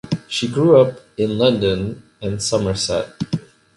She grew up in London and Somerset.